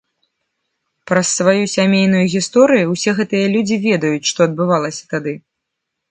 Праз сваю сямейную гісторыю ўсе гэтыя людзі ведаюць, што адбывалася тады.